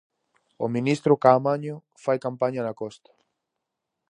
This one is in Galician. O ministro Caamaño fai campaña na Costa.